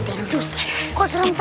semuanya harus ada di belakang saya